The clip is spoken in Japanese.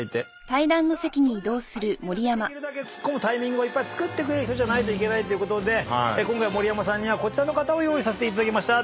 それでは相手がねできるだけツッコむタイミングをいっぱいつくってくれる人じゃないといけないということで今回盛山さんにはこちらの方を用意させていただきました。